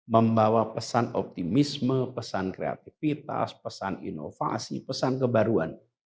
membawa pesan optimisme pesan kreativitas pesan inovasi pesan kebaruan